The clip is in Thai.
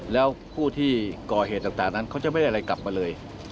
แล้วผู้ที่ก่อเหตุต่างนั้นเขาจะไม่ได้อะไรกลับมาเลย